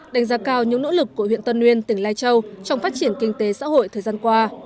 đánh giá cao những nỗ lực của huyện tân nguyên tỉnh lai châu trong phát triển kinh tế xã hội thời gian qua